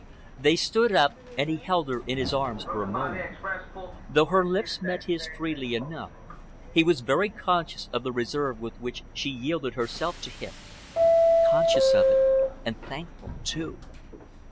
They stood up, and he held her in his arms for a moment. Though her lips met his freely enough, he was very conscious of the reserve with which she yielded herself to him, conscious of it and thankful, too.